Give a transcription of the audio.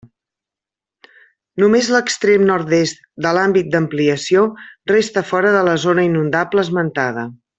Només l'extrem nord-est de l'àmbit d'ampliació resta fora de la zona inundable esmentada.